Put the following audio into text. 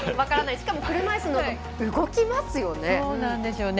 しかも車いす、動きますよね。